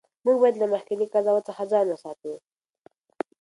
موږ باید له مخکني قضاوت څخه ځان وساتو.